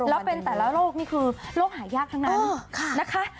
แล้วเป็นแต่ละโรคนี่คือโรคหายากทั้งนั้นนะคะ